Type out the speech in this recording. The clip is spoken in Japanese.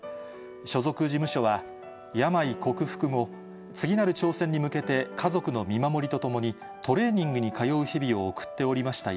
所属事務所は、病克服後、次なる挑戦に向けて、家族の見守りとともに、トレーニングに通う日々を送っておりました